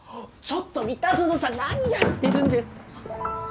ちょっと三田園さん何やってるんですか！